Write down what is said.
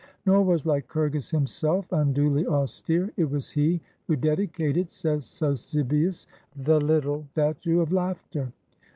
Nor was Lycurgus himself unduly austere; it was he who dedicated, says Sosibius, the little statue of Laughter.